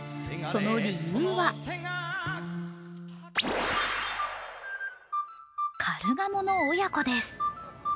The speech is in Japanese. その理由はカルガモの親子です。